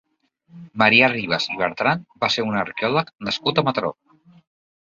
Marià Ribas i Bertran va ser un arqueòleg nascut a Mataró.